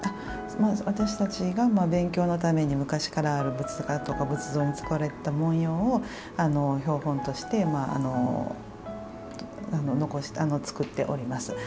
私たちが勉強のために昔からある仏画とか仏像に使われていた文様を標本として作っております。